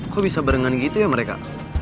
kok bisa barengan gitu ya mereka